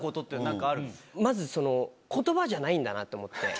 まず言葉じゃないんだなと思って。